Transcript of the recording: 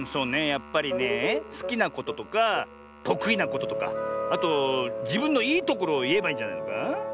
やっぱりねえすきなこととかとくいなこととかあとじぶんのいいところをいえばいいんじゃないのか？